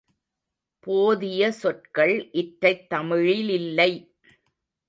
போதிய சொற்கள் இற்றைத் தமிழிலில்லை